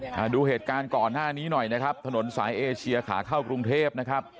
ดูเหตุการณ์ก่อนหน้านี้หน่อยนะครับถนนสายเอเชียขาเข้ากรุงเทพนะครับ